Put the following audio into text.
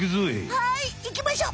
はいいきましょ！